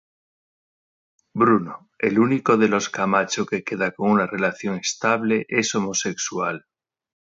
Bruno el único de los Camacho que queda con una relación estable, es homosexual.